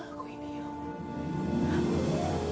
aku ini ya allah